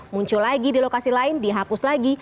muncul lagi di lokasi lain dihapus lagi